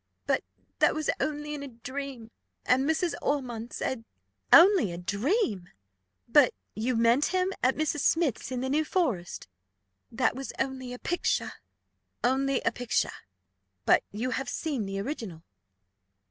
"But that was only in a dream; and Mrs. Ormond said " "Only a dream! But you met him at Mrs. Smith's, in the New Forest?" "That was only a picture." "Only a picture! but you have seen the original?"